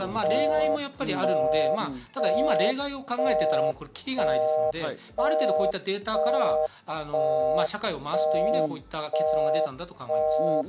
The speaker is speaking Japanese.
例外もあるので、ただ、今、例外を考えていたらキリがないので、ある程度、こういったデータから社会を回すという意味でこういった結論は出たと考えます。